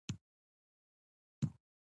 ایا ستاسو استعداد ځلیدلی دی؟